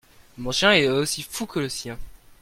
Mon chien est aussi fou que le sien.